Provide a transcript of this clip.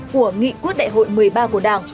của nghị quốc đại hội một mươi ba quốc gia